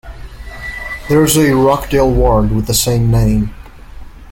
There is a Rochdale Ward with the same name.